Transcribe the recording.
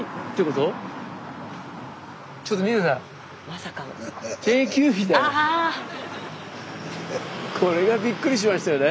スタジオこれがびっくりしましたよね。